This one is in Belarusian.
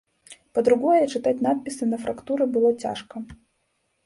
Па-другое, чытаць надпісы на фрактуры было цяжка.